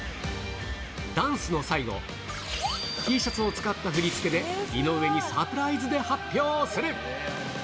ダンスの最後、Ｔシャツを使った振り付けで、井上にサプライズで発表する。